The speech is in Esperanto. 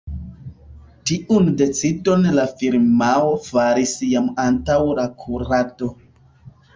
Tiun decidon la firmao faris jam antaŭ la kurado.